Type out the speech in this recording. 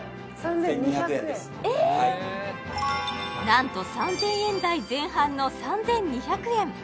なんと３０００円台前半の３２００円